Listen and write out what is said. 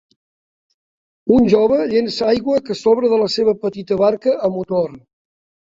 Un jove llença l'aigua que sobra de la seva petita barca a motor.